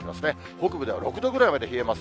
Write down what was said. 北部では６度くらいまで冷えます。